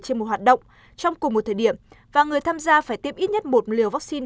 trên một hoạt động trong cùng một thời điểm và người tham gia phải tiêm ít nhất một liều vaccine